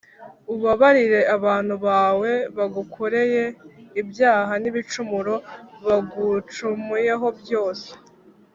ubabarire abantu bawe bagukoreye ibyaha n’ibicumuro bagucumuyeho byose